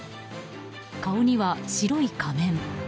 顔には白い仮面。